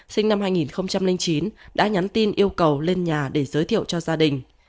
sinh năm hai nghìn chín đã nhắn tin yêu cầu lên nhà để giới thiệu cho gia đình